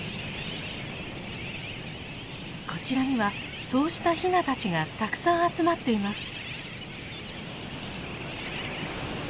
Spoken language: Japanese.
こちらにはそうしたヒナたちがたくさん集まっています。